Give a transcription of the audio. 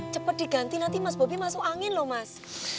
cepat diganti nanti mas bobi masuk angin loh mas